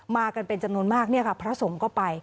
มากันเป็นจำนวนมากพระสงฆ์ก็ไป